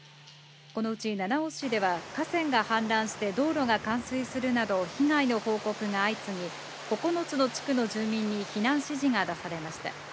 このうち七尾市では河川が氾濫して道路が冠水するなど被害の報告が相次ぎ、９つの地区の住民に避難指示が出されました。